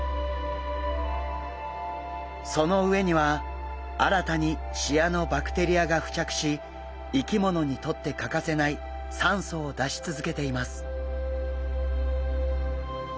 その上には新たにシアノバクテリアが付着し生き物にとって欠かせない酸素を出し続けています。